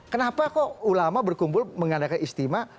kenapa kok ulama berkumpul mengandalkan istimah